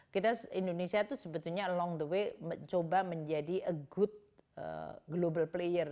kita indonesia itu sebetulnya long the way mencoba menjadi a good global player